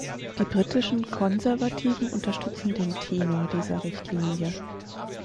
Die britischen Konservativen unterstützen den Tenor dieser Richtlinie.